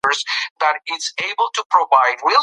نجونې به بریالۍ سوې وي.